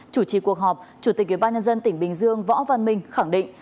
chủ trì cuộc họp chủ tịch ủy ban nhân dân tỉnh bình dương võ văn minh khẳng định